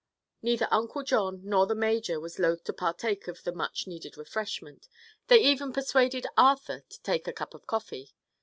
Neither Uncle John nor the major was loth to partake of the much needed refreshment. They even persuaded Arthur to take a cup of coffee.